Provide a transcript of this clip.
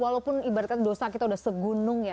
walaupun ibaratnya dosa kita sudah segunung ya